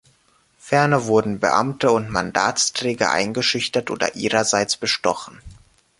Ferner wurden Beamte und Mandatsträger eingeschüchtert oder ihrerseits bestochen.